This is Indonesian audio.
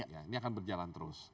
ini akan berjalan terus